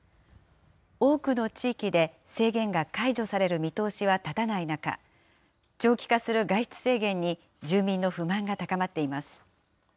多くの地域で制限が解除される見通しは立たない中、長期化する外出制限に、住民の不満が高まっています。